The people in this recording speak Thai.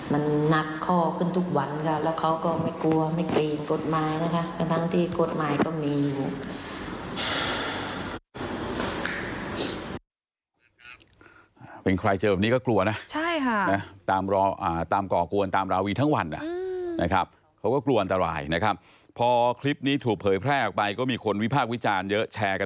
มันนักข้อขึ้นทุกวันค่ะแล้วเขาก็ไม่กลัวไม่กลีนกฎหมายนะคะ